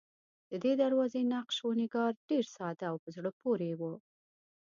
ددې دروازې نقش و نگار ډېر ساده او په زړه پورې و.